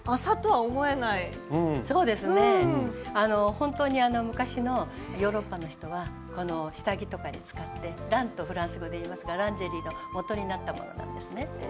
本当に昔のヨーロッパの人は下着とかに使って「ラン」とフランス語でいいますが「ランジェリー」のもとになったものなんですね。